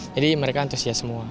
jadi mereka antusias semua